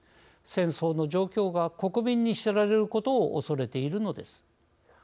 戦争の状況が国民に知られることをおそれているのです。